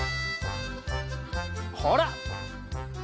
ほら！